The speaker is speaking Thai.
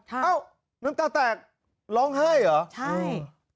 เอ้าน้ำตาแตกร้องไห้เหรอใช่